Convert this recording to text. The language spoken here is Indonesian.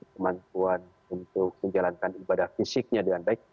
kemampuan untuk menjalankan ibadah fisiknya dengan baik